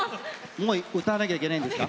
もう歌わなきゃいけないんですか。